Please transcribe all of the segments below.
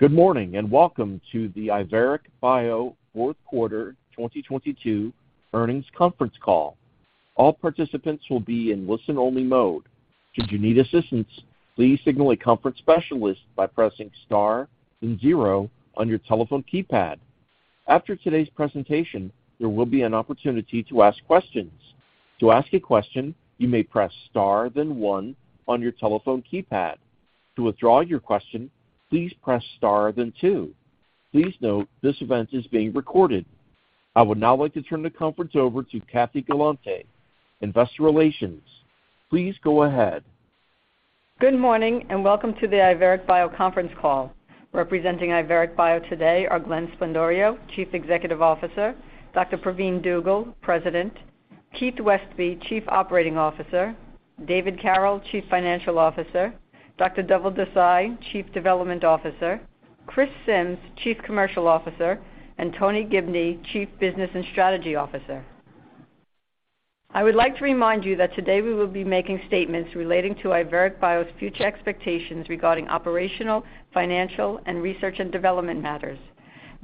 Good morning, welcome to the IVERIC bio fourth quarter 2022 earnings conference call. All participants will be in listen-only mode. Should you need assistance, please signal a conference specialist by pressing star zero on your telephone keypad. After today's presentation, there will be an opportunity to ask questions. To ask a question, you may press star one on your telephone keypad. To withdraw your question, please press star two. Please note this event is being recorded. I would now like to turn the conference over to Kathy Galante, Investor Relations. Please go ahead. Good morning, welcome to the IVERIC bio conference call. Representing IVERIC bio today are Glenn P. Sblendorio, Chief Executive Officer, Dr. Pravin U. Dugel, President, Keith Westby, Chief Operating Officer, David F. Carroll, Chief Financial Officer, Dr. Dhaval Desai, Chief Development Officer, Christopher Simms, Chief Commercial Officer, and Tony Gibney, Chief Business and Strategy Officer. I would like to remind you that today we will be making statements relating to IVERIC bio's future expectations regarding operational, financial, and research and development matters.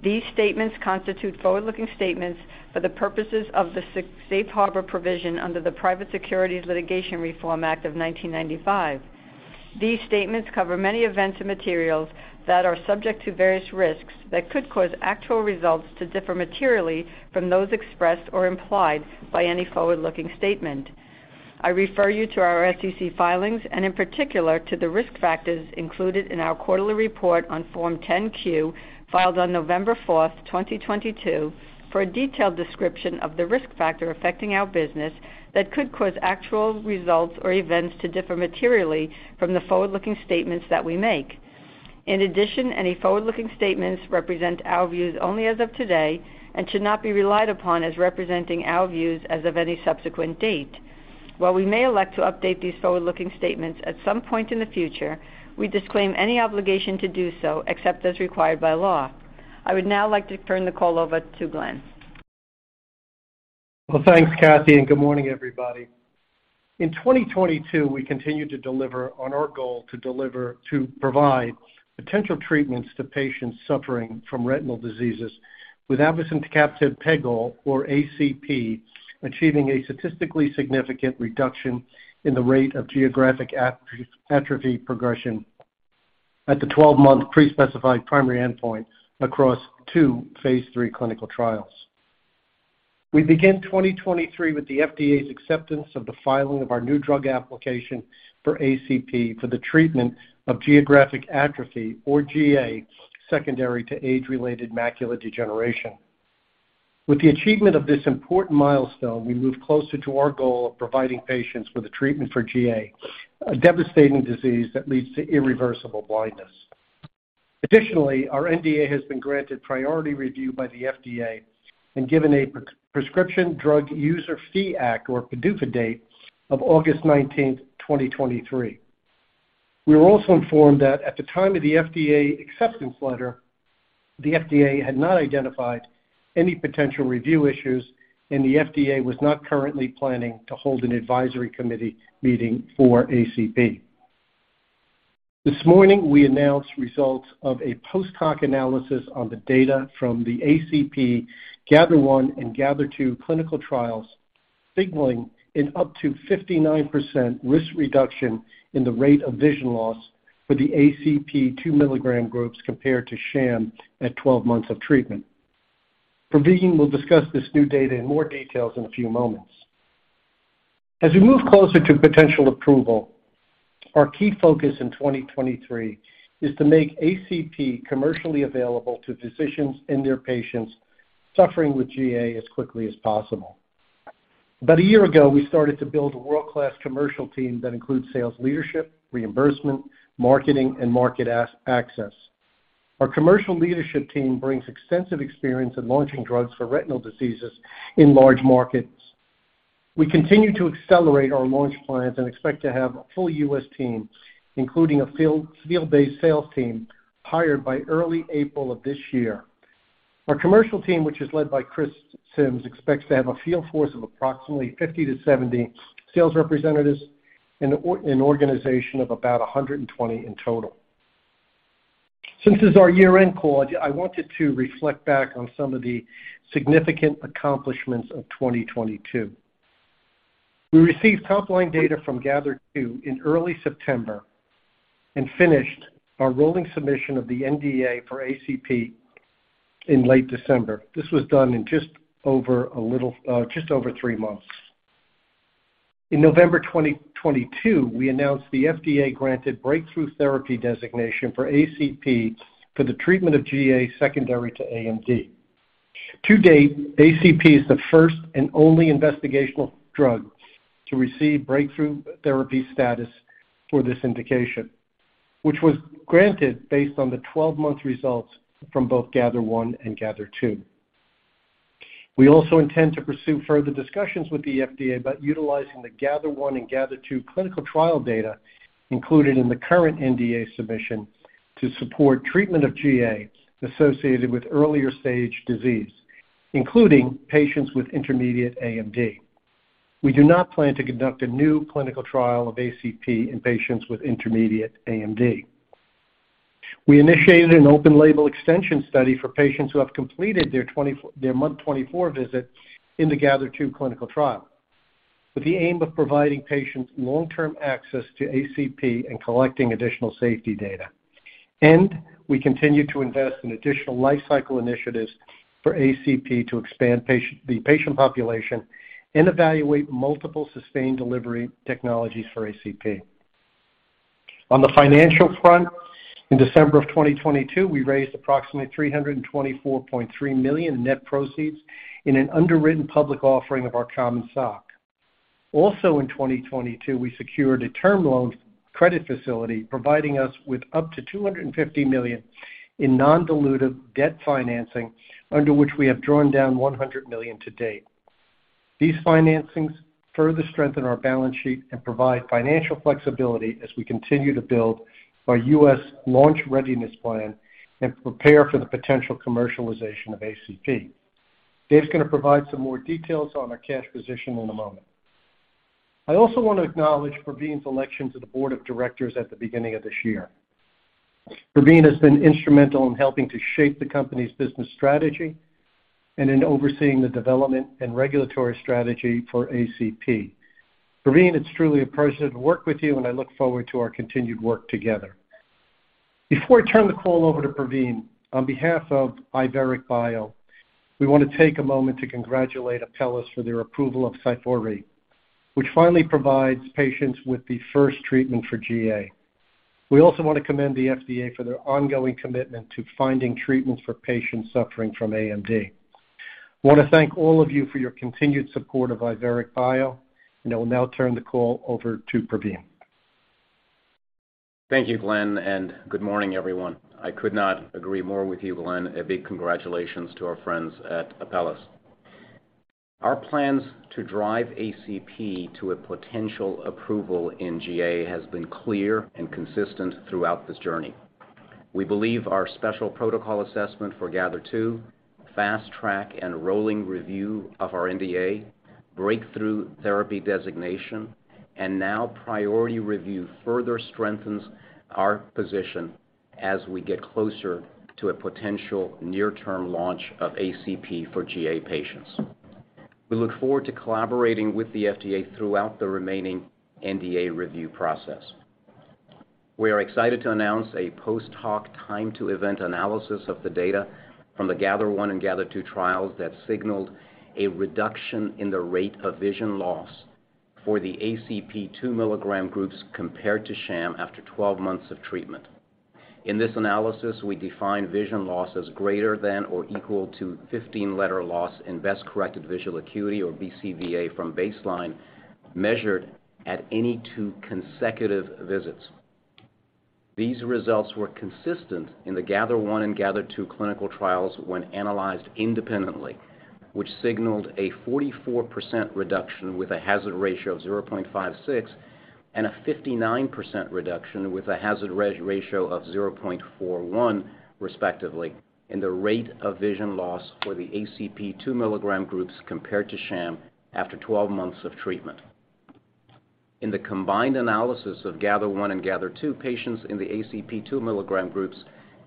These statements constitute forward-looking statements for the purposes of the Safe Harbor provision under the Private Securities Litigation Reform Act of 1995. These statements cover many events and materials that are subject to various risks that could cause actual results to differ materially from those expressed or implied by any forward-looking statement. I refer you to our SEC filings, and in particular to the risk factors included in our quarterly report on Form 10-Q, filed on November 4, 2022, for a detailed description of the risk factor affecting our business that could cause actual results or events to differ materially from the forward-looking statements that we make. In addition, any forward-looking statements represent our views only as of today and should not be relied upon as representing our views as of any subsequent date. While we may elect to update these forward-looking statements at some point in the future, we disclaim any obligation to do so, except as required by law. I would now like to turn the call over to Glenn. Well, thanks, Kathy. Good morning, everybody. In 2022, we continued to deliver on our goal to provide potential treatments to patients suffering from retinal diseases. With avacincaptad pegol, or ACP, achieving a statistically significant reduction in the rate of geographic atrophy progression at the 12-month prespecified primary endpoint across two phase 3 clinical trials. We begin 2023 with the FDA's acceptance of the filing of our new drug application for ACP for the treatment of geographic atrophy, or GA, secondary to age-related macular degeneration. With the achievement of this important milestone, we move closer to our goal of providing patients with a treatment for GA, a devastating disease that leads to irreversible blindness. Additionally, our NDA has been granted priority review by the FDA and given a Prescription Drug User Fee Act, or PDUFA, date of August 19th, 2023. We were also informed that at the time of the FDA acceptance letter, the FDA had not identified any potential review issues, and the FDA was not currently planning to hold an advisory committee meeting for ACP. This morning, we announced results of a post-hoc analysis on the data from the ACP GATHER1 and GATHER2 clinical trials, signaling an up to 59% risk reduction in the rate of vision loss for the ACP 2-milligram groups compared to sham at 12 months of treatment. Pravin will discuss this new data in more details in a few moments. As we move closer to potential approval, our key focus in 2023 is to make ACP commercially available to physicians and their patients suffering with GA as quickly as possible. About a year ago, we started to build a world-class commercial team that includes sales leadership, reimbursement, marketing, and market access. Our commercial leadership team brings extensive experience in launching drugs for retinal diseases in large markets. We continue to accelerate our launch plans and expect to have a full U.S. team, including a field-based sales team, hired by early April of this year. Our commercial team, which is led by Chris Simms, expects to have a field force of approximately 50 to 70 sales representatives in an organization of about 120 in total. Since this is our year-end call, I wanted to reflect back on some of the significant accomplishments of 2022. We received top-line data from GATHER2 in early September and finished our rolling submission of the NDA for ACP in late December. This was done in just over 3 months. In November 2022, we announced the FDA-granted Breakthrough Therapy Designation for ACP for the treatment of GA secondary to AMD. To date, ACP is the first and only investigational drug to receive Breakthrough Therapy status for this indication, which was granted based on the 12-month results from both GATHER1 and GATHER2. We also intend to pursue further discussions with the FDA about utilizing the GATHER1 and GATHER2 clinical trial data included in the current NDA submission to support treatment of GA associated with earlier stage disease, including patients with intermediate AMD. We do not plan to conduct a new clinical trial of ACP in patients with intermediate AMD. We initiated an open-label extension study for patients who have completed their month 24 visit in the GATHER2 clinical trial, with the aim of providing patients long-term access to ACP and collecting additional safety data. We continue to invest in additional life cycle initiatives for ACP to expand the patient population and evaluate multiple sustained delivery technologies for ACP. On the financial front, in December of 2022, we raised approximately $324.3 million net proceeds in an underwritten public offering of our common stock. Also in 2022, we secured a term loan credit facility providing us with up to $250 million in nondilutive debt financing, under which we have drawn down $100 million to date. These financings further strengthen our balance sheet and provide financial flexibility as we continue to build our U.S. launch readiness plan and prepare for the potential commercialization of ACP. Dave's gonna provide some more details on our cash position in a moment. I also want to acknowledge Pravin's election to the board of directors at the beginning of this year. Pravin has been instrumental in helping to shape the company's business strategy and in overseeing the development and regulatory strategy for ACP. Pravin, it's truly a pleasure to work with you, and I look forward to our continued work together. Before I turn the call over to Pravin, on behalf of IVERIC bio, we want to take a moment to congratulate Apellis for their approval of SYFOVRE, which finally provides patients with the first treatment for GA. We also want to commend the FDA for their ongoing commitment to finding treatments for patients suffering from AMD. I want to thank all of you for your continued support of IVERIC bio. I will now turn the call over to Pravin. Thank you, Glenn. Good morning, everyone. I could not agree more with you, Glenn. A big congratulations to our friends at Apellis. Our plans to drive ACP to a potential approval in GA has been clear and consistent throughout this journey. We believe our Special Protocol Assessment for GATHER2, Fast Track and rolling review of our NDA, Breakthrough Therapy Designation, and now priority review further strengthens our position as we get closer to a potential near-term launch of ACP for GA patients. We look forward to collaborating with the FDA throughout the remaining NDA review process. We are excited to announce a post hoc time to event analysis of the data from the GATHER1 and GATHER2 trials that signaled a reduction in the rate of vision loss for the ACP 2-milligram groups compared to sham after 12 months of treatment. In this analysis, we define vision loss as greater than or equal to 15 letter loss in best corrected visual acuity, or BCVA, from baseline, measured at any two consecutive visits. These results were consistent in the GATHER1 and GATHER2 clinical trials when analyzed independently, which signaled a 44% reduction with a hazard ratio of 0.56 and a 59% reduction with a hazard ratio of 0.41, respectively, in the rate of vision loss for the ACP 2-milligram groups compared to sham after 12 months of treatment. In the combined analysis of GATHER1 and GATHER2, patients in the ACP 2-milligram groups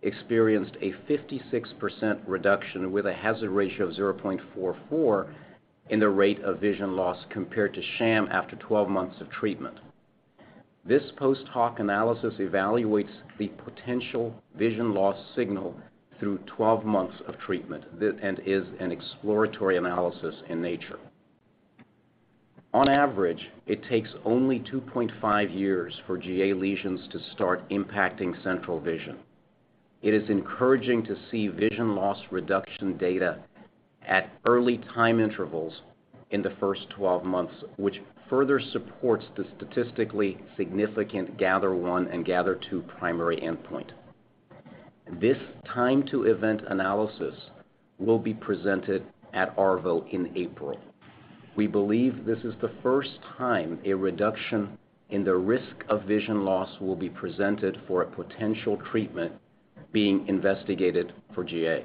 experienced a 56% reduction with a hazard ratio of 0.44 in the rate of vision loss compared to sham after 12 months of treatment. This post hoc analysis evaluates the potential vision loss signal through 12 months of treatment and is an exploratory analysis in nature. On average, it takes only 2.5 years for GA lesions to start impacting central vision. It is encouraging to see vision loss reduction data at early time intervals in the first 12 months, which further supports the statistically significant GATHER1 and GATHER2 primary endpoint. This time to event analysis will be presented at ARVO in April. We believe this is the first time a reduction in the risk of vision loss will be presented for a potential treatment being investigated for GA.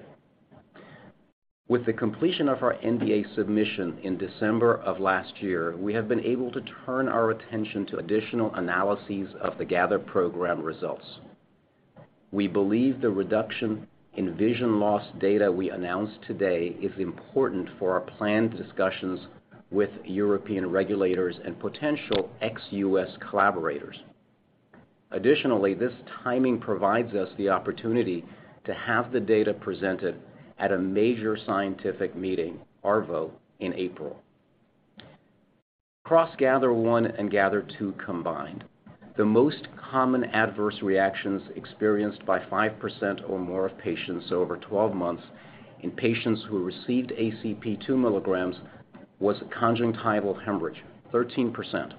With the completion of our NDA submission in December of last year, we have been able to turn our attention to additional analyses of the GATHER program results. We believe the reduction in vision loss data we announced today is important for our planned discussions with European regulators and potential ex-US collaborators. This timing provides us the opportunity to have the data presented at a major scientific meeting, ARVO, in April. Across GATHER1 and GATHER2 combined, the most common adverse reactions experienced by 5% or more of patients over 12 months in patients who received ACP 2 milligrams was a conjunctival hemorrhage, 13%,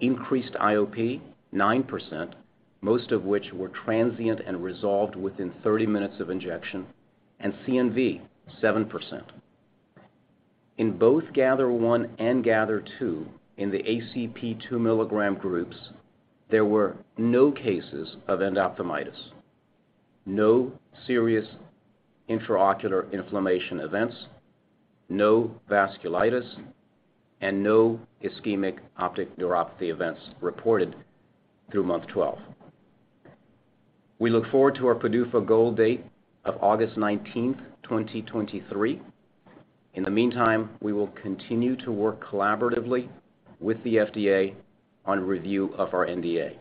increased IOP, 9%, most of which were transient and resolved within 30 minutes of injection, and CNV, 7%. In both GATHER1 and GATHER2 in the ACP 2-milligram groups, there were no cases of endophthalmitis. No serious intraocular inflammation events, no vasculitis, and no ischemic optic neuropathy events reported through month 12. We look forward to our PDUFA goal date of August 19, 2023. In the meantime, we will continue to work collaboratively with the FDA on review of our NDA.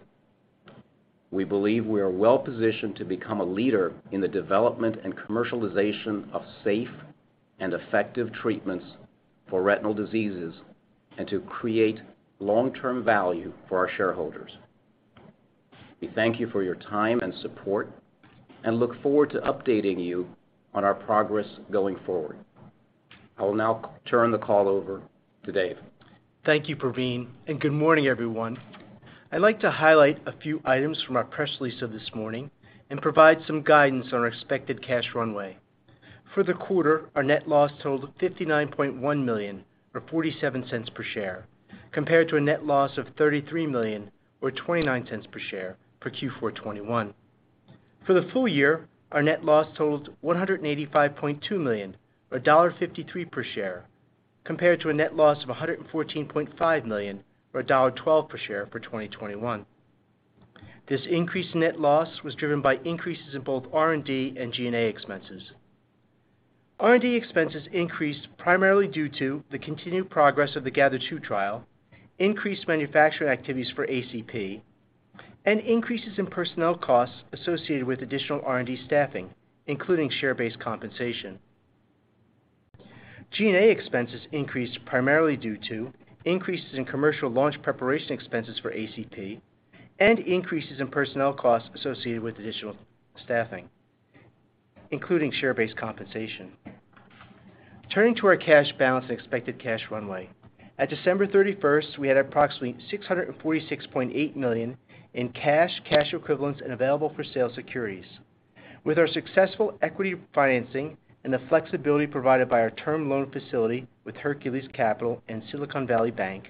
We believe we are well-positioned to become a leader in the development and commercialization of safe and effective treatments for retinal diseases and to create long-term value for our shareholders. We thank you for your time and support and look forward to updating you on our progress going forward. I will now turn the call over to Dave. Thank you, Pravin, and good morning, everyone. I'd like to highlight a few items from our press release of this morning and provide some guidance on our expected cash runway. For the quarter, our net loss totaled $59.1 million, or $0.47 per share, compared to a net loss of $33 million or $0.29 per share for Q4 2021. For the full year, our net loss totaled $185.2 million or $1.53 per share, compared to a net loss of $114.5 million or $1.12 per share for 2021. This increased net loss was driven by increases in both R&D and G&A expenses. R&D expenses increased primarily due to the continued progress of the GATHER2 trial, increased manufacturing activities for ACP, and increases in personnel costs associated with additional R&D staffing, including share-based compensation. G&A expenses increased primarily due to increases in commercial launch preparation expenses for ACP and increases in personnel costs associated with additional staffing, including share-based compensation. Turning to our cash balance and expected cash runway. At December 31st, we had approximately $646.8 million in cash equivalents, and available for sale securities. With our successful equity financing and the flexibility provided by our term loan facility with Hercules Capital and Silicon Valley Bank,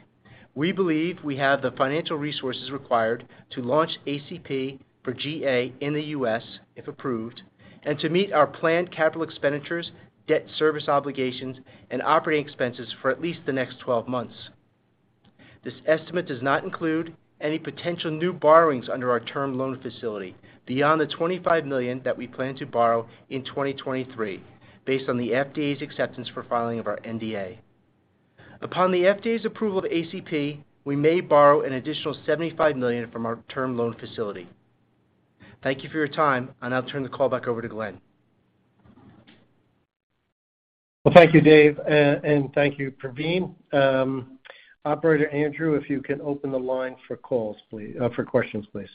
we believe we have the financial resources required to launch ACP for GA in the US if approved, and to meet our planned capital expenditures, debt service obligations, and operating expenses for at least the next 12 months. This estimate does not include any potential new borrowings under our term loan facility beyond the $25 million that we plan to borrow in 2023 based on the FDA's acceptance for filing of our NDA. Upon the FDA's approval of ACP, we may borrow an additional $75 million from our term loan facility. Thank you for your time, and I'll turn the call back over to Glenn. Well, thank you, Dave, and thank you, Pravin. Operator Andrew, if you can open the line for questions, please.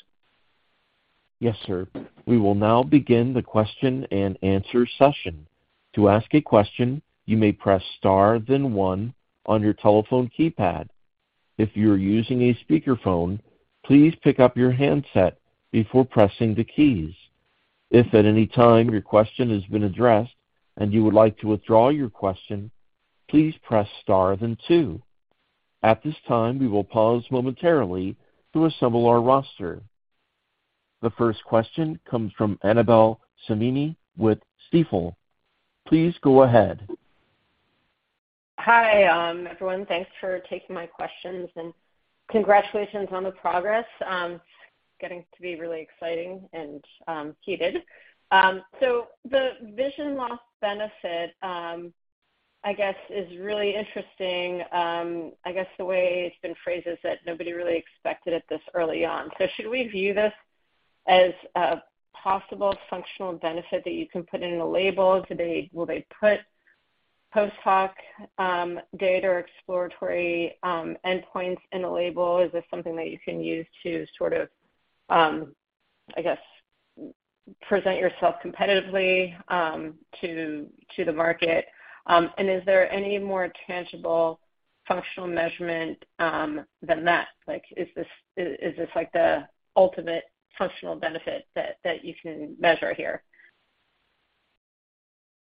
Yes, sir. We will now begin the question-and-answer session. To ask a question, you may press star then one on your telephone keypad. If you are using a speakerphone, please pick up your handset before pressing the keys. If at any time your question has been addressed and you would like to withdraw your question, please press star then two. At this time, we will pause momentarily to assemble our roster. The first question comes from Annabel Samimy with Stifel. Please go ahead. Hi, everyone. Thanks for taking my questions, congratulations on the progress. It's getting to be really exciting and heated. The vision loss benefit, I guess, is really interesting. I guess the way it's been phrased is that nobody really expected it this early on. Should we view this as a possible functional benefit that you can put in a label? Will they put post hoc data or exploratory endpoints in a label? Is this something that you can use to sort of, I guess, present yourself competitively to the market? Is there any more tangible functional measurement than that? Like, is this like the ultimate functional benefit that you can measure here?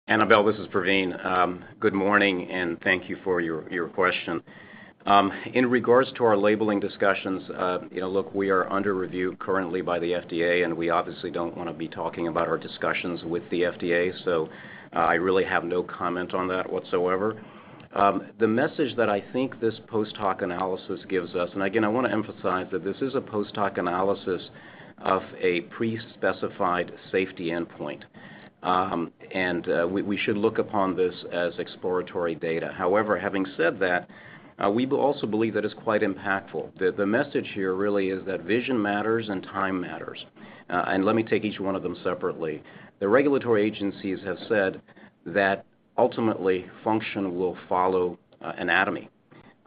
Annabel, this is Pravin. Good morning, and thank you for your question. In regards to our labeling discussions, you know, look, we are under review currently by the FDA, and we obviously don't want to be talking about our discussions with the FDA. I really have no comment on that whatsoever. The message that I think this post hoc analysis gives us, and again, I want to emphasize that this is a post hoc analysis of a pre-specified safety endpoint. And we should look upon this as exploratory data. However, having said that, we also believe that it's quite impactful. The message here really is that vision matters and time matters. And let me take each one of them separately. The regulatory agencies have said that ultimately function will follow anatomy,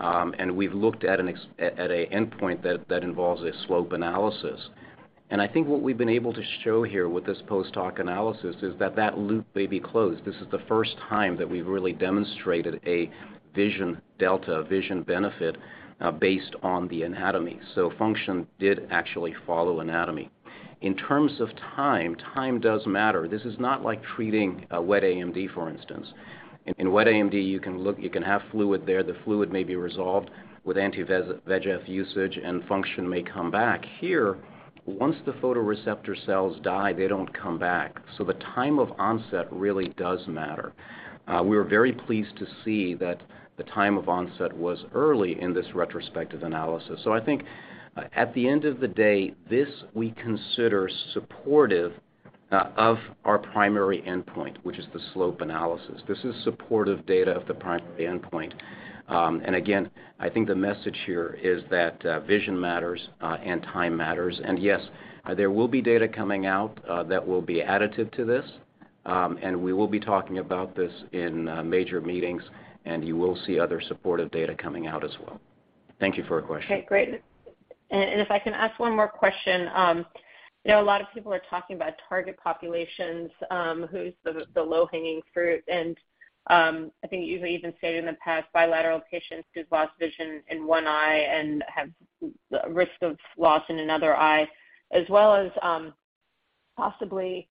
and we've looked at a endpoint that involves a slope analysis. I think what we've been able to show here with this post hoc analysis is that loop may be closed. This is the first time that we've really demonstrated a vision delta, vision benefit, based on the anatomy. Function did actually follow anatomy. In terms of time does matter. This is not like treating a wet AMD, for instance. In wet AMD, you can have fluid there. The fluid may be resolved with anti-VEGF usage, and function may come back. Here. Once the photoreceptor cells die, they don't come back. The time of onset really does matter. We were very pleased to see that the time of onset was early in this retrospective analysis. I think at the end of the day, this we consider supportive of our primary endpoint, which is the slope analysis. This is supportive data of the primary endpoint. Again, I think the message here is that vision matters and time matters. Yes, there will be data coming out that will be additive to this. We will be talking about this in major meetings, and you will see other supportive data coming out as well. Thank you for your question. Okay, great. If I can ask one more question. You know, a lot of people are talking about target populations, who's the low-hanging fruit, and I think you even stated in the past bilateral patients who've lost vision in one eye and have the risk of loss in another eye, as well as possibly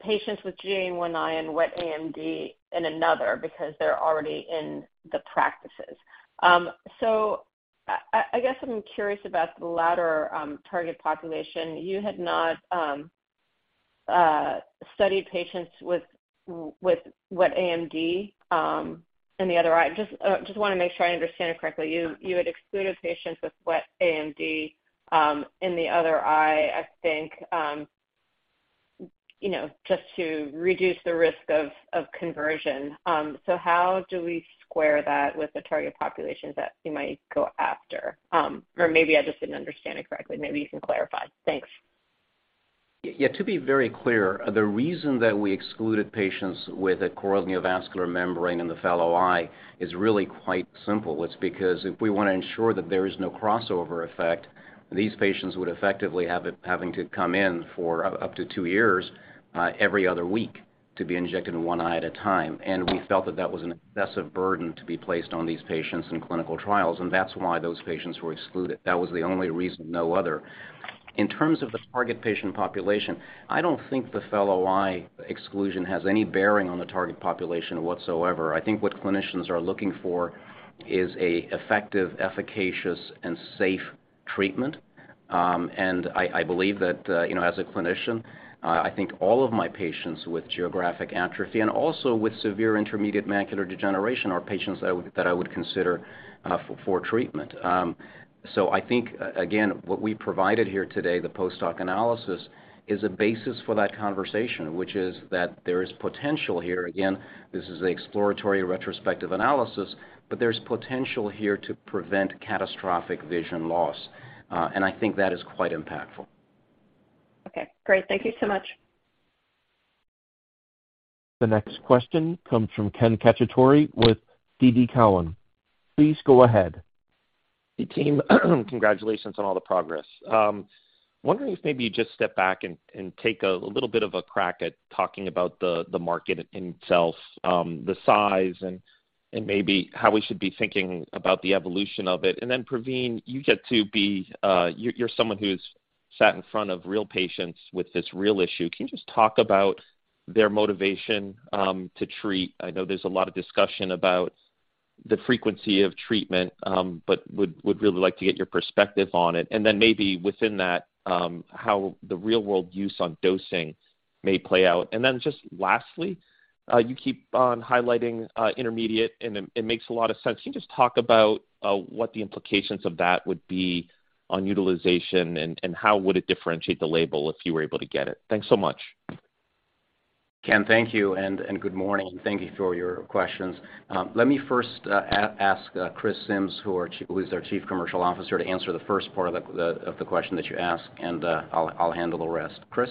patients with GA in one eye and wet AMD in another because they're already in the practices. I guess I'm curious about the latter target population. You had not studied patients with wet AMD in the other eye. Just wanna make sure I understand it correctly. You had excluded patients with wet AMD in the other eye, I think, you know, just to reduce the risk of conversion. How do we square that with the target populations that you might go after? Maybe I just didn't understand it correctly. Maybe you can clarify. Thanks. Yeah, to be very clear, the reason that we excluded patients with a choroidal neovascular membrane in the fellow eye is really quite simple. It's because if we wanna ensure that there is no crossover effect, these patients would effectively having to come in for up to 2 years, every other week to be injected in one eye at a time. We felt that that was an excessive burden to be placed on these patients in clinical trials, and that's why those patients were excluded. That was the only reason, no other. In terms of the target patient population, I don't think the fellow eye exclusion has any bearing on the target population whatsoever. I think what clinicians are looking for is a effective, efficacious, and safe treatment. I believe that, you know, as a clinician, I think all of my patients with geographic atrophy and also with severe intermediate macular degeneration are patients that I would consider for treatment. I think again, what we provided here today, the post hoc analysis, is a basis for that conversation, which is that there is potential here. Again, this is a exploratory retrospective analysis, but there's potential here to prevent catastrophic vision loss. I think that is quite impactful. Okay, great. Thank you so much. The next question comes from Ken Cacciatore with TD Cowen. Please go ahead. Hey, team. Congratulations on all the progress. Wondering if maybe you just step back and take a little bit of a crack at talking about the market itself, the size and maybe how we should be thinking about the evolution of it? Pravin, you're someone who's sat in front of real patients with this real issue. Can you just talk about their motivation to treat? I know there's a lot of discussion about the frequency of treatment, would really like to get your perspective on it. Maybe within that, how the real-world use on dosing may play out? Just lastly, you keep on highlighting intermediate, and it makes a lot of sense. Can you just talk about what the implications of that would be on utilization and how would it differentiate the label if you were able to get it? Thanks so much. Ken, thank you, and good morning. Thank you for your questions. Let me first ask Christopher Simms, who is our Chief Commercial Officer, to answer the first part of the question that you asked, and I'll handle the rest. Chris?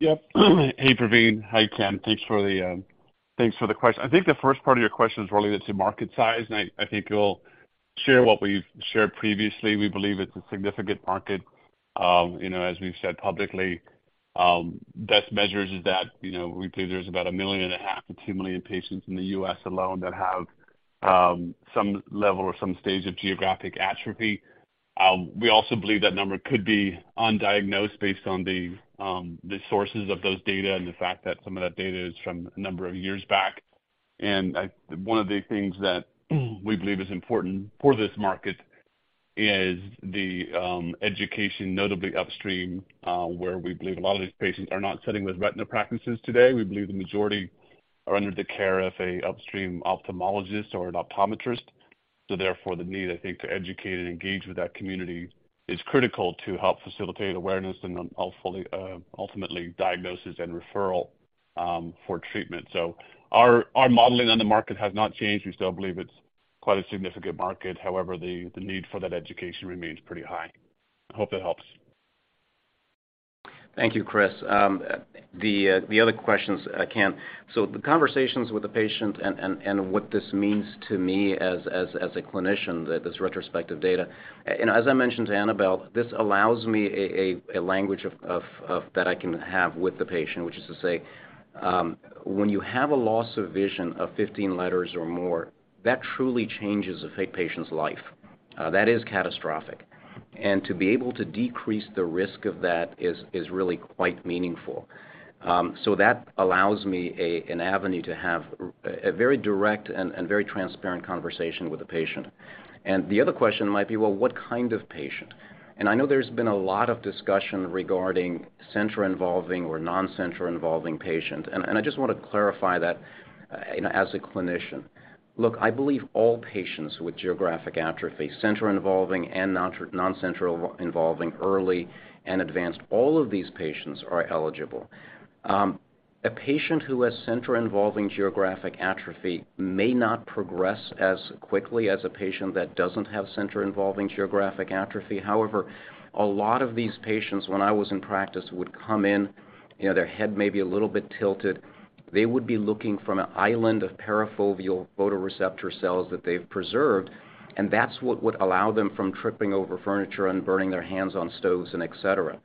Yep. Hey, Pravin. Hi, Ken. Thanks for the question. I think the first part of your question is related to market size, and I think we'll share what we've shared previously. We believe it's a significant market. You know, as we've said publicly, best measures is that, you know, we believe there's about 1.5 million to 2 million patients in the U.S. alone that have some level or some stage of geographic atrophy. We also believe that number could be undiagnosed based on the sources of those data and the fact that some of that data is from a number of years back. One of the things that we believe is important for this market is the education, notably upstream, where we believe a lot of these patients are not sitting with retina practices today. We believe the majority are under the care of a upstream ophthalmologist or an optometrist. Therefore, the need, I think, to educate and engage with that community is critical to help facilitate awareness and then ultimately diagnosis and referral for treatment. Our modeling on the market has not changed. We still believe it's quite a significant market. However, the need for that education remains pretty high. I hope that helps. Thank you, Chris. The other questions, Ken. The conversations with the patient and what this means to me as a clinician, this retrospective data. As I mentioned to Annabel, this allows me a language of that I can have with the patient, which is to say, when you have a loss of vision of 15 letters or more, that truly changes a patient's life. That is catastrophic. And to be able to decrease the risk of that is really quite meaningful. That allows me an avenue to have a very direct and very transparent conversation with the patient. The other question might be, well, what kind of patient? I know there's been a lot of discussion regarding center involving or non-center involving patient. I just wanna clarify that as a clinician. Look, I believe all patients with geographic atrophy, center involving and non-center involving early and advanced, all of these patients are eligible. A patient who has center involving geographic atrophy may not progress as quickly as a patient that doesn't have center involving geographic atrophy. However, a lot of these patients, when I was in practice, would come in, you know, their head may be a little bit tilted. They would be looking from an island of parafoveal photoreceptor cells that they've preserved, and that's what would allow them from tripping over furniture and burning their hands on stoves, and et cetera.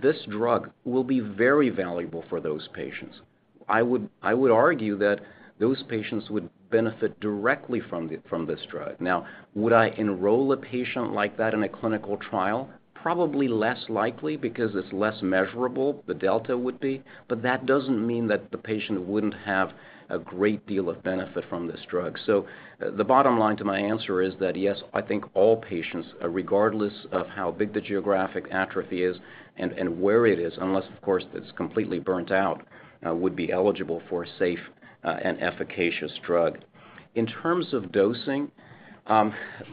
This drug will be very valuable for those patients. I would argue that those patients would benefit directly from this drug. Now, would I enroll a patient like that in a clinical trial? Probably less likely because it's less measurable, the delta would be, but that doesn't mean that the patient wouldn't have a great deal of benefit from this drug. The bottom line to my answer is that yes, I think all patients, regardless of how big the geographic atrophy is and where it is, unless of course, it's completely burnt out, would be eligible for a safe, and efficacious drug. In terms of dosing,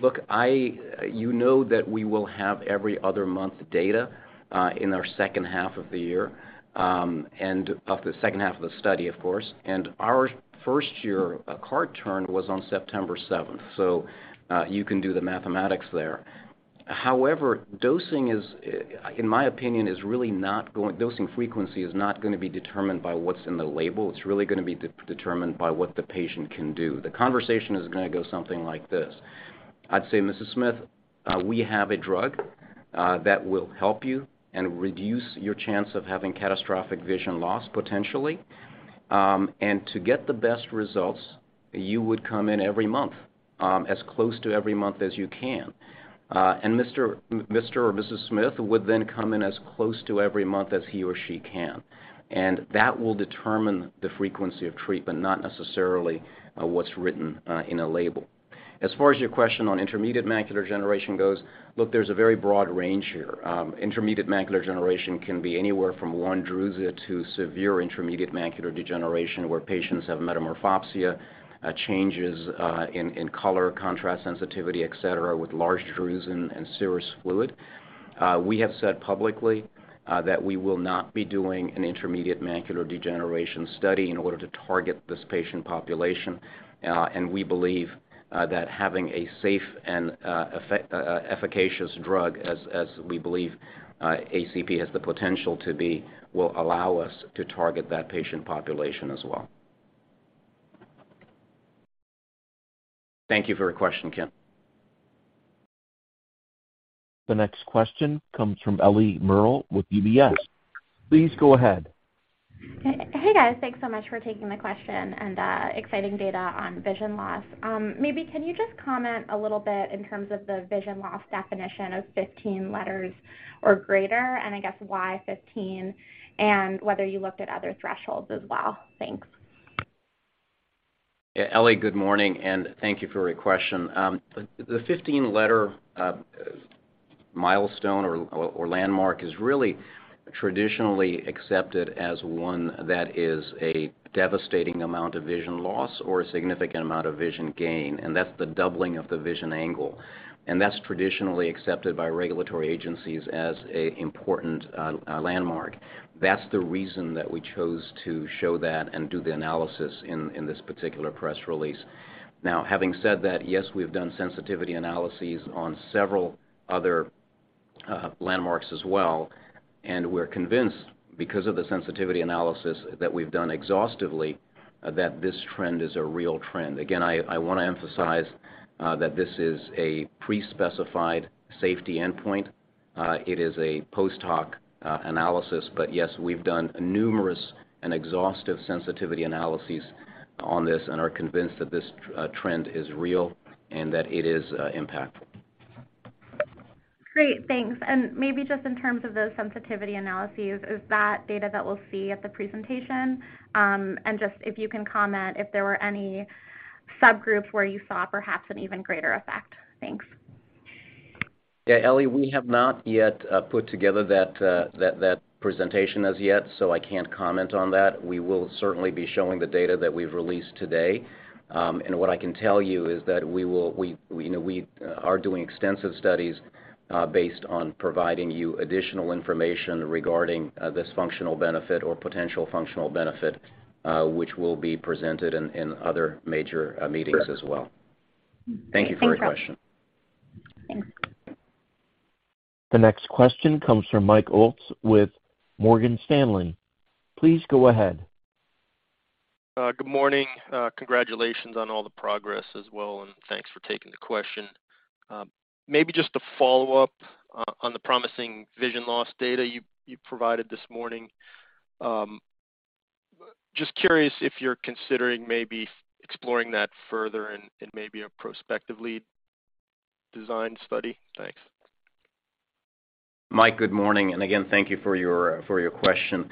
look, you know that we will have every other month data, in our second half of the year, and of the second half of the study, of course. Our 1st year cart turn was on September 7th, so, you can do the mathematics there. Dosing frequency is not gonna be determined by what's in the label. It's really gonna be determined by what the patient can do. The conversation is gonna go something like this. I'd say, "Mrs. Smith, we have a drug that will help you and reduce your chance of having catastrophic vision loss, potentially. And to get the best results, you would come in every month, as close to every month as you can." Mr., Mr. or Mrs. Smith would then come in as close to every month as he or she can. That will determine the frequency of treatment, not necessarily, what's written in a label. As far as your question on intermediate macular degeneration goes, look, there's a very broad range here. Intermediate macular degeneration can be anywhere from one drusen to severe intermediate macular degeneration, where patients have metamorphopsia, changes in color, contrast sensitivity, et cetera, with large drusen and serous fluid. We have said publicly that we will not be doing an intermediate macular degeneration study in order to target this patient population. We believe that having a safe and efficacious drug as we believe ACP has the potential to be, will allow us to target that patient population as well. Thank you for your question, Ken. The next question comes from Eliana Merle with UBS. Please go ahead. Hey, guys. Thanks so much for taking the question and exciting data on vision loss. Maybe can you just comment a little bit in terms of the vision loss definition of 15 letters or greater, and I guess why 15, and whether you looked at other thresholds as well? Thanks. Yeah, Ellie, good morning, and thank you for your question. The 15 letter milestone or landmark is really traditionally accepted as one that is a devastating amount of vision loss or a significant amount of vision gain, and that's the doubling of the vision angle. That's traditionally accepted by regulatory agencies as a important landmark. That's the reason that we chose to show that and do the analysis in this particular press release. Now, having said that, yes, we've done sensitivity analyses on several other landmarks as well, and we're convinced because of the sensitivity analysis that we've done exhaustively, that this trend is a real trend. Again, I wanna emphasize that this is a pre-specified safety endpoint. It is a post hoc analysis. Yes, we've done numerous and exhaustive sensitivity analyses on this and are convinced that this trend is real and that it is impactful. Great. Thanks. Maybe just in terms of those sensitivity analyses, is that data that we'll see at the presentation? Just if you can comment if there were any subgroups where you saw perhaps an even greater effect. Thanks. Yeah, Ellie, we have not yet put together that presentation as yet, so I can't comment on that. We will certainly be showing the data that we've released today. What I can tell you is that we, you know, we are doing extensive studies based on providing you additional information regarding this functional benefit or potential functional benefit, which will be presented in other major meetings as well. Thank you for your question. Thanks. The next question comes from Michael Ulz with Morgan Stanley. Please go ahead. Good morning. Congratulations on all the progress as well, and thanks for taking the question. Maybe just a follow-up on the promising vision loss data you provided this morning. Just curious if you're considering maybe exploring that further in maybe a prospectively designed study. Thanks. Mike, good morning, and again, thank you for your question.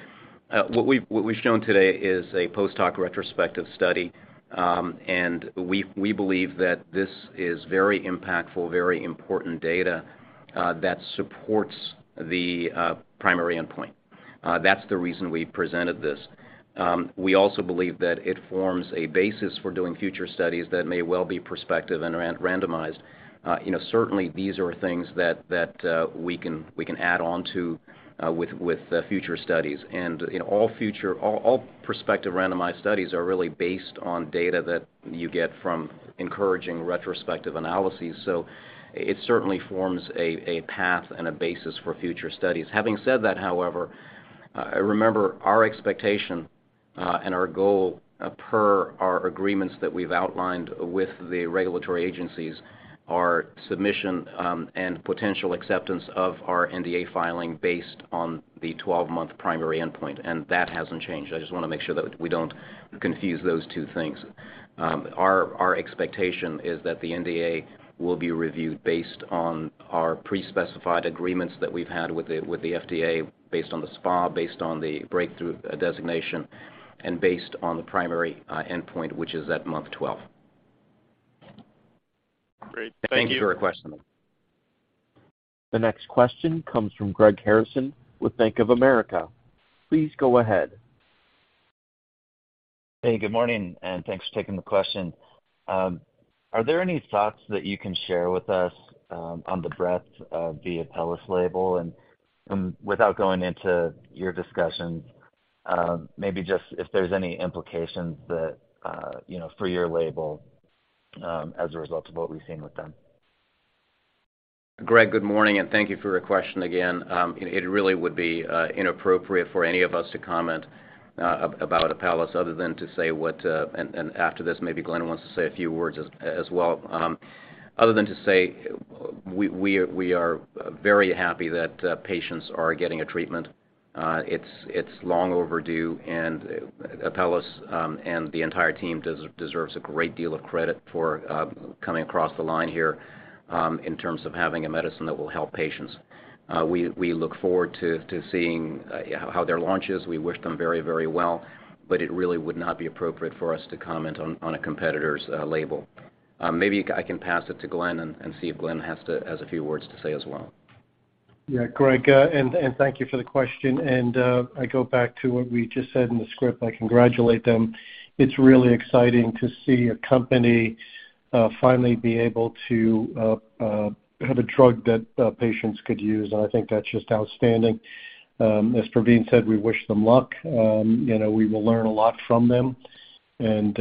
What we've shown today is a posthoc retrospective study, and we believe that this is very impactful, very important data that supports the primary endpoint. That's the reason we presented this. We also believe that it forms a basis for doing future studies that may well be prospective and randomized. You know, certainly, these are things that we can add on to with future studies. You know, all prospective randomized studies are really based on data that you get from encouraging retrospective analyses. It certainly forms a path and a basis for future studies. Having said that, however, remember our expectation, and our goal, per our agreements that we've outlined with the regulatory agencies are submission, and potential acceptance of our NDA filing based on the 12-month primary endpoint. That hasn't changed. I just wanna make sure that we don't confuse those two things. Our expectation is that the NDA will be reviewed based on our pre-specified agreements that we've had with the FDA based on the SPA, based on the breakthrough designation, and based on the primary endpoint, which is at month 12. Great. Thank you. Thank you for your question. The next question comes from Greg Harrison with Bank of America. Please go ahead. Hey, good morning, and thanks for taking the question. Are there any thoughts that you can share with us on the breadth of the Apellis label? And without going into your discussions, maybe just if there's any implications that, you know, for your label, as a result of what we've seen with them. Greg, good morning, thank you for your question again. It really would be inappropriate for any of us to comment about Apellis other than to say what, and after this, maybe Glenn wants to say a few words as well. Other than to say we are very happy that patients are getting a treatment. It's long overdue, Apellis and the entire team deserves a great deal of credit for coming across the line here in terms of having a medicine that will help patients. We look forward to seeing how their launch is. We wish them very, very well, it really would not be appropriate for us to comment on a competitor's label. Maybe I can pass it to Glenn and see if Glenn has a few words to say as well. Yeah. Greg, thank you for the question. I go back to what we just said in the script. I congratulate them. It's really exciting to see a company finally be able to have a drug that patients could use, and I think that's just outstanding. As Pravin said, we wish them luck. You know, we will learn a lot from them. You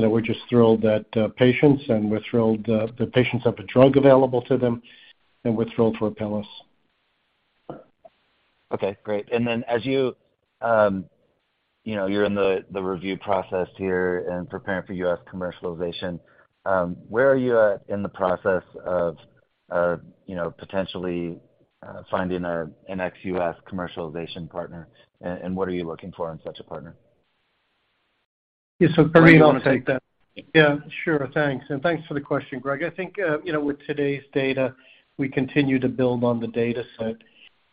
know, we're just thrilled that patients and we're thrilled that patients have a drug available to them, and we're thrilled for Apellis. Okay, great. As you know, you're in the review process here and preparing for U.S. commercialization, where are you at in the process of, you know, potentially, finding an ex-U.S. commercialization partner, and what are you looking for in such a partner? Yeah. Pravin, I'll take that. Do you wanna take that? Yeah, sure. Thanks. Thanks for the question, Greg. I think, you know, with today's data, we continue to build on the data set.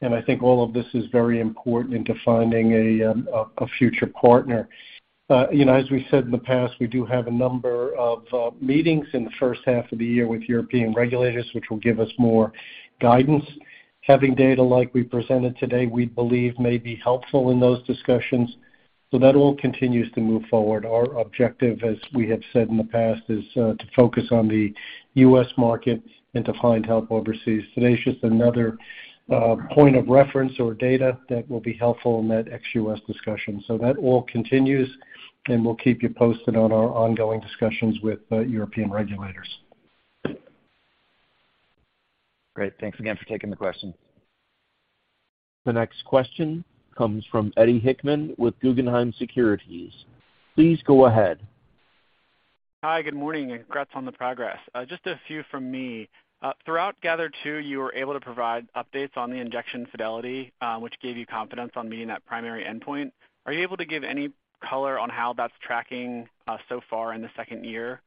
I think all of this is very important into finding a future partner. You know, as we said in the past, we do have a number of meetings in the first half of the year with European regulators, which will give us more guidance. Having data like we presented today, we believe may be helpful in those discussions. That all continues to move forward. Our objective, as we have said in the past, is to focus on the U.S. market and to find help overseas. Today's just another point of reference or data that will be helpful in that ex-U.S. discussion. That all continues, and we'll keep you posted on our ongoing discussions with European regulators. Great. Thanks again for taking the question. The next question comes from Eddie Hickman with Guggenheim Securities. Please go ahead. Hi, good morning, and congrats on the progress. Just a few from me. Throughout GATHER2, you were able to provide updates on the injection fidelity, which gave you confidence on meeting that primary endpoint. Are you able to give any color on how that's tracking, so far in the second year?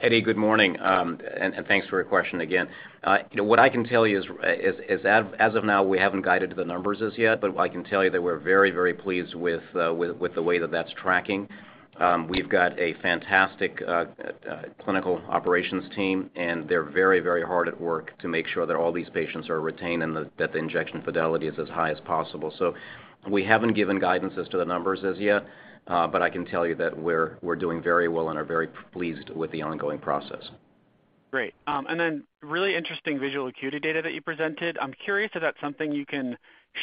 Eddie, good morning, and thanks for your question again. You know, what I can tell you is as of now, we haven't guided the numbers as yet. I can tell you that we're very, very pleased with the way that that's tracking. We've got a fantastic clinical operations team, and they're very, very hard at work to make sure that all these patients are retained and that the injection fidelity is as high as possible. We haven't given guidance as to the numbers as yet, I can tell you that we're doing very well and are very pleased with the ongoing process. Great. Really interesting visual acuity data that you presented. I'm curious if that's something you can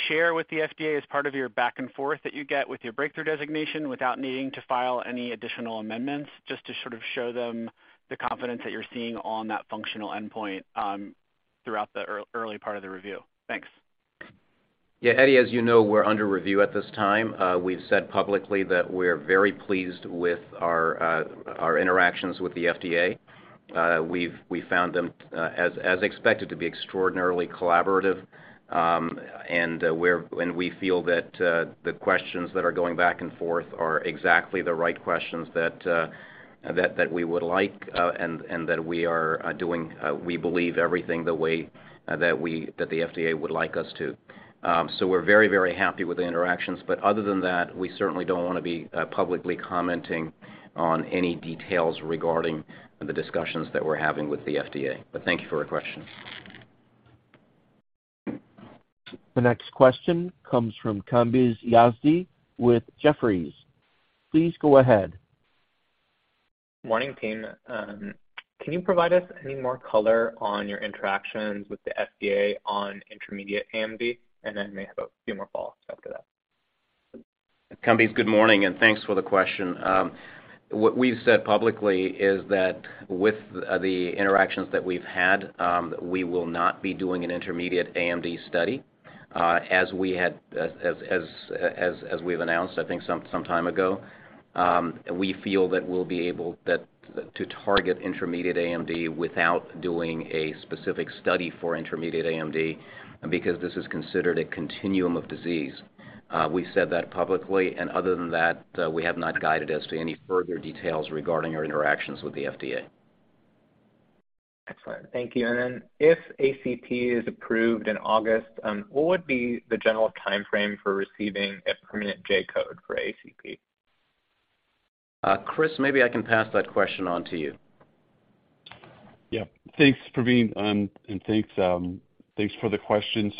share with the FDA as part of your back and forth that you get with your Breakthrough Designation without needing to file any additional amendments, just to sort of show them the confidence that you're seeing on that functional endpoint, throughout the early part of the review. Thanks. Yeah, Eddie, as you know, we're under review at this time. We've said publicly that we're very pleased with our interactions with the FDA. We found them, as expected, to be extraordinarily collaborative. We feel that the questions that are going back and forth are exactly the right questions that we would like, and that we are doing, we believe everything the way that the FDA would like us to. We're very, very happy with the interactions. Other than that, we certainly don't wanna be publicly commenting on any details regarding the discussions that we're having with the FDA. Thank you for your question. The next question comes from Kambiz Yazdi with Jefferies. Please go ahead. Morning, team. Can you provide us any more color on your interactions with the FDA on intermediate AMD? May have a few more follows after that. Kambiz, good morning, and thanks for the question. What we've said publicly is that with the interactions that we've had, we will not be doing an intermediate AMD study as we've announced, I think some time ago. We feel that we'll be able to target intermediate AMD without doing a specific study for intermediate AMD because this is considered a continuum of disease. We said that publicly, and other than that, we have not guided as to any further details regarding our interactions with the FDA. Excellent. Thank you. Then if ACP is approved in August, what would be the general timeframe for receiving a permanent J-code for ACP? Chris, maybe I can pass that question on to you. Thanks, Pravin, and thanks for the question.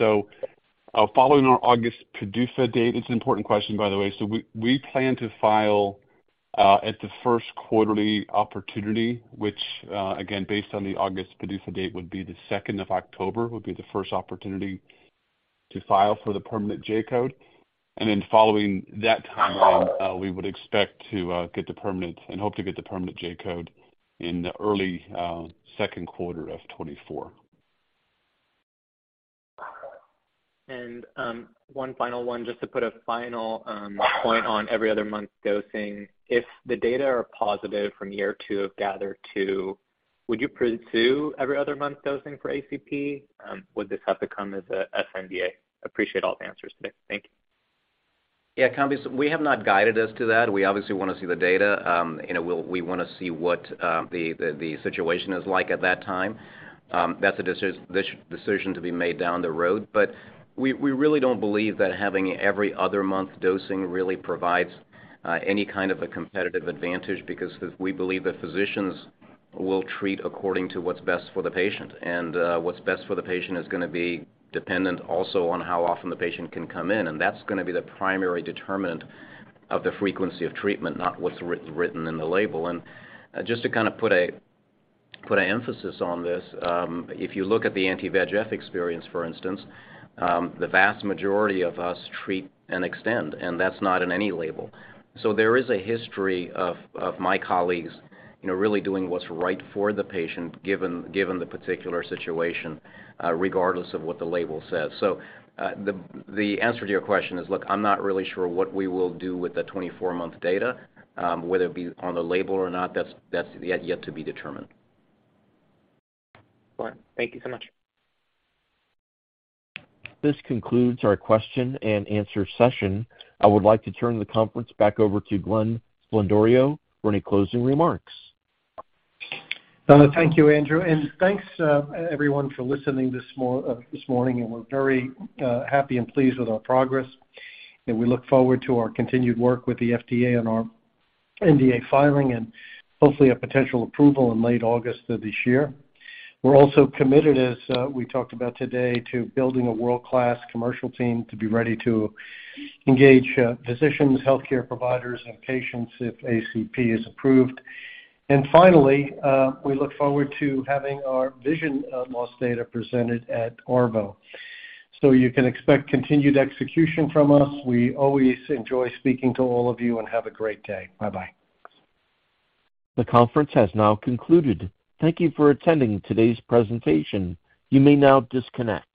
Following our August PDUFA date. It's an important question, by the way. We plan to file at the first quarterly opportunity, which again, based on the August PDUFA date, would be the second of October, would be the first opportunity to file for the permanent J-code. Following that timeline, we would expect to get the permanent and hope to get the permanent J-code in the early second quarter of 2024. One final one just to put a final point on every other month dosing. If the data are positive from year two of GATHER2, would you pursue every other month dosing for ACP? Would this have to come as a sNDA? Appreciate all the answers today. Thank you. Yeah, Kambiz, we have not guided as to that. We obviously wanna see the data. You know, we wanna see what the situation is like at that time. That's a decision to be made down the road. We really don't believe that having every other month dosing really provides any kind of a competitive advantage because we believe that physicians will treat according to what's best for the patient. What's best for the patient is gonna be dependent also on how often the patient can come in, and that's gonna be the primary determinant of the frequency of treatment, not what's written in the label. Just to kinda put a emphasis on this, if you look at the anti-VEGF experience, for instance, the vast majority of us treat and extend, and that's not in any label. There is a history of my colleagues, you know, really doing what's right for the patient, given the particular situation, regardless of what the label says. The answer to your question is, look, I'm not really sure what we will do with the 24-month data, whether it be on the label or not, that's yet to be determined. All right. Thank you so much. This concludes our question and answer session. I would like to turn the conference back over to Glenn Sblendorio for any closing remarks. Thank you, Andrew. Thanks, everyone for listening this morning. We're very happy and pleased with our progress. We look forward to our continued work with the FDA on our NDA filing and hopefully a potential approval in late August of this year. We're also committed, as we talked about today, to building a world-class commercial team to be ready to engage physicians, healthcare providers, and patients if ACP is approved. Finally, we look forward to having our vision loss data presented at ARVO. You can expect continued execution from us. We always enjoy speaking to all of you, and have a great day. Bye-bye. The conference has now concluded. Thank you for attending today's presentation. You may now disconnect.